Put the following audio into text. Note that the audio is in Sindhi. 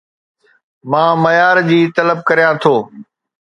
مان معيار جي طلب ڪريان ٿو